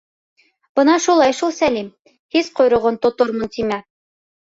Бына шулай ул Сәлим, һис ҡойроғон тотормон тимә.